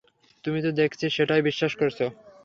তুমি তো দেখছি সেটাই বিশ্বাস করেছো।